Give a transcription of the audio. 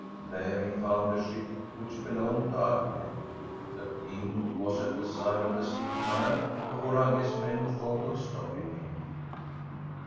There he found the ship which belonged to Agge. The King was at the side of the sick man before Agge's men thought of stopping him.